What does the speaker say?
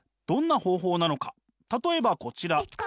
例えばこちら。